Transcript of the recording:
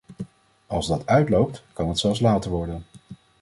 Als dat uitloopt, kan het zelfs later worden.